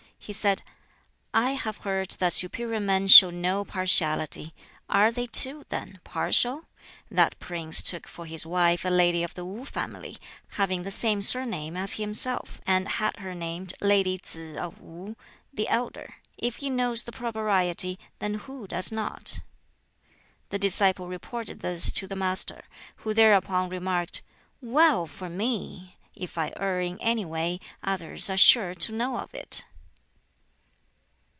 He said, "I have heard that superior men show no partiality; are they, too, then, partial? That prince took for his wife a lady of the Wu family, having the same surname as himself, and had her named 'Lady Tsz of Wu, the elder,' If he knows the Proprieties, then who does not?" The disciple reported this to the Master, who thereupon remarked, "Well for me! If I err in any way, others are sure to know of it."